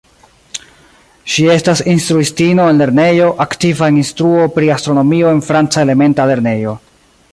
Ŝi estas instruistino en lernejo, aktiva en instruo pri astronomio en franca elementa lernejo.